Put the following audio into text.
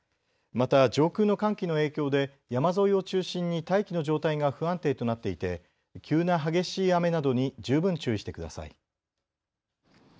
また上空の寒気の影響で山沿いを中心に大気の状態が不安定となっていて急な激しい雨などに十分注意してください。